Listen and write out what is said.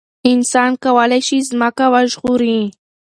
انسان کولای شي ځمکه وژغوري.